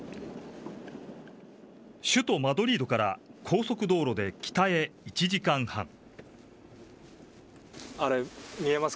首都マドリードから高速道路で北へ１時間半。